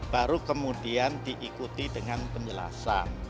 baru kemudian diikuti dengan penjelasan